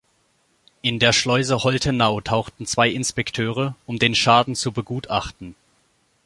In der Schleuse Holtenau tauchten zwei Inspekteure, um den Schaden zu begutachten.